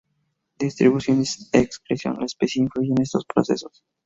Distribución y excreción: la especie influye en estos procesos.